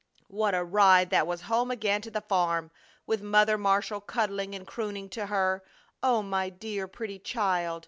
What a ride that was home again to the farm, with Mother Marshall cuddling and crooning to her: "Oh, my dear pretty child!